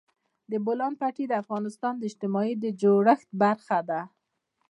د بولان پټي د افغانستان د اجتماعي جوړښت برخه ده.